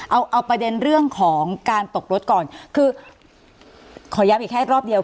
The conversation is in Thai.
เอาเอาประเด็นเรื่องของการตกรถก่อนคือขอย้ำอีกแค่รอบเดียว